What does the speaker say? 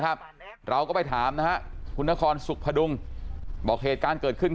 ครับเราก็ไปถามนะฮะคุณนครสุขพดุงบอกเหตุการณ์เกิดขึ้น